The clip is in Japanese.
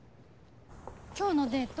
今日のデート